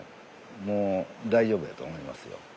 もう大丈夫やと思いますよ。